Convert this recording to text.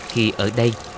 khi ở đây